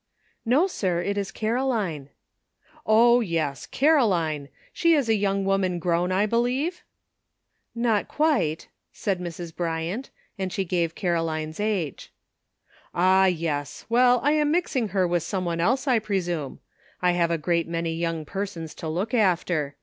*'No, sir; it is Caroline." " O, yes, Caroline ! she is a young woman grown, 1 believe ?" "Not quite," said Mrs. Bryant, and she gave Caroline's age. '' Ah, yes ! well, I am mixing her with some one else, I presume ; I have a great many young persons to look after.